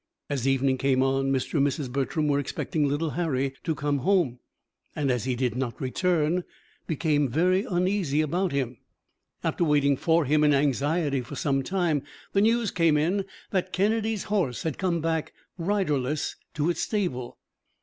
As evening came on, Mr. and Mrs. Bertram were expecting little Harry to come home, and as he did not return, became very uneasy about him. After waiting for him in anxiety for some time, the news came in that Kennedy's horse had come back riderless to its stable.